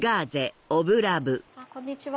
こんにちは。